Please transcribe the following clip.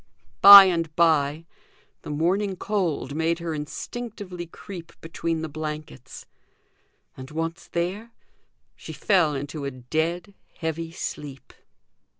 By and by the morning cold made her instinctively creep between the blankets; and, once there, she fell into a dead heavy sleep.